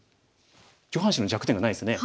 上半身の弱点がないですね。